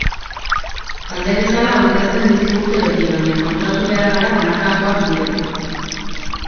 Talde bezala aurkezten dizkigute beti, baina konturatu behar gara banakakoak direla.